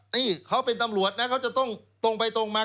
นี่เขาเป็นตำรวจนะเขาจะต้องตรงไปตรงมา